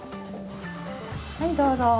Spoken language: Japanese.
はいどうぞ。